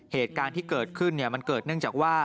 เหตุการณ์ที่เกิดขึ้นมันเกิดเนื่องจากว่า